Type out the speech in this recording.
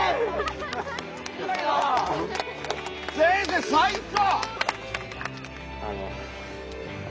先生最高！